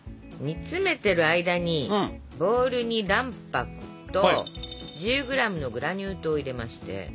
煮詰めてる間にボウルに卵白と１０ｇのグラニュー糖を入れまして。